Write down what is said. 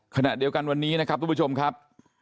ขณะเดียวกันวันนี้นะครับทุกผู้ชมครับ